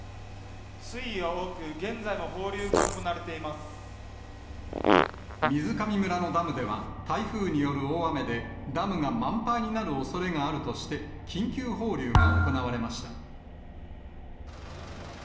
水位は多く、水上村のダムでは、台風による大雨でダムが満杯になるおそれがあるとして、緊急放流が行われました。